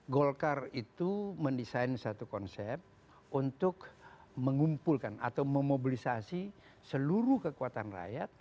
golkar itu mendesain satu konsep untuk mengumpulkan atau memobilisasi seluruh kekuatan rakyat